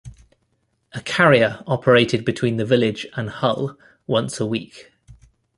A carrier operated between the village and Hull once a week.